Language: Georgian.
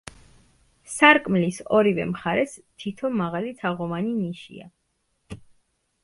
სარკმლის ორივე მხარეს თითო მაღალი თაღოვანი ნიშია.